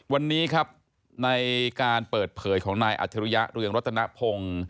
วันนี้ครับในการเปิดเผยของนายอัจฉริยะเรืองรัตนพงศ์